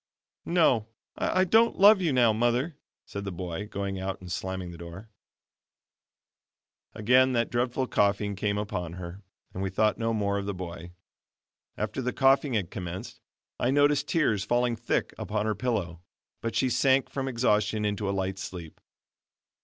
"No, I don't love you now, Mother," said the boy, going out and slamming the door. Again that dreadful coughing came upon her, and we thought no more of the boy. After the coughing had commenced, I noticed tears falling thick upon her pillow, but she sank from exhaustion into a light sleep.